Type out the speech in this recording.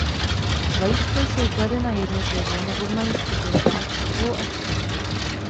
Vajíčka jsou kladena jednotlivě nebo v malých skupinkách po dvou až třech.